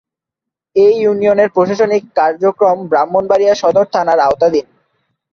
এ ইউনিয়নের প্রশাসনিক কার্যক্রম ব্রাহ্মণবাড়িয়া সদর থানার আওতাধীন।